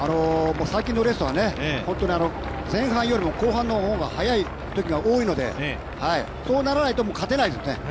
最近のレースは本当に前半よりも後半の方が早いときが多いのでそうならないと勝てないですね。